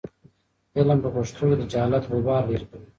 علم په پښتو کې د جهالت غبار لیرې کوي.